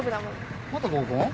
また合コン？